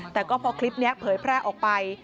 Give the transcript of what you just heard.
แต่ก็พอคลิปนี้เผยแพร่ออกไป